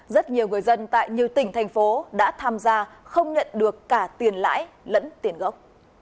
rất nhiều người dân tại nhiều tỉnh thành phố đã tham gia không nhận được cả tiền lãi lẫn tiền gốc